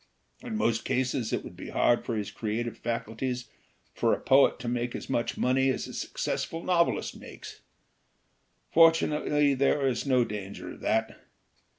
In most cases it would be bad for his creative faculties for a poet to make as much money as a successful novelist makes. For tunately, there is no danger of that.